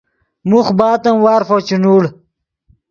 موخ بعد ام وارفو چے نوڑ